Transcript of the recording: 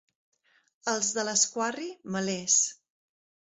Els de Lasquarri, melers.